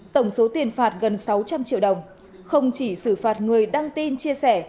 tổng số tiền phạt gần sáu trăm linh triệu đồng không chỉ xử phạt người đăng tin chia sẻ